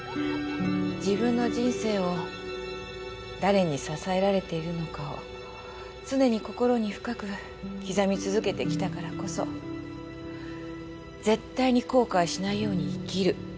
自分の人生を誰に支えられているのかを常に心に深く刻み続けてきたからこそ絶対に後悔しないように生きる。